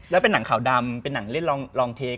แล้วเป็นหนังขาวดำเป็นหนังเล่นลองเทค